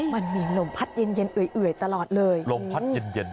มันมีลมพัดเย็นอื่ยตลอดเลยลมพัดเย็น